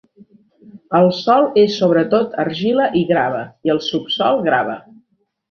El sòl és sobretot argila i grava, i el subsol grava.